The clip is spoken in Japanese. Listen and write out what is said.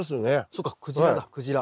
そっかクジラだクジラ。